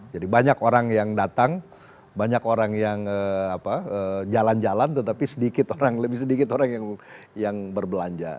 jadi banyak orang yang datang banyak orang yang jalan jalan tetapi sedikit orang lebih sedikit orang yang berbelanja